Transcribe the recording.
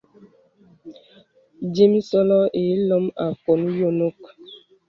Dīmə̄sɔlɔ ilom àkɔ̀n yònok.